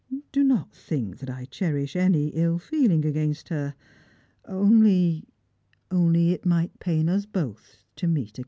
Do not think that I cherish any ill feeling against her; only — only it might pain us both to meet."